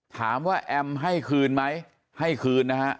แอมให้คืนไหมให้คืนนะฮะ